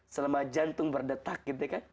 selama jantung berdetak